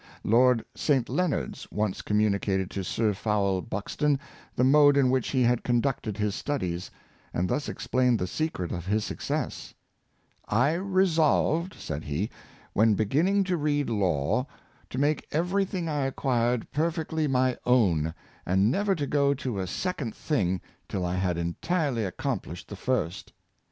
Lord St. Leonards once communicated to Sir Fowell Buxton the mode in which he had conducted his studies, and thus explained the secret of his success: "I re solved," said he, " when beginning to read law, to make everything I acquired perfectly my own, and never to go to a second thing till I had entirely accomplished the Q 00 Relying upon Resources, first.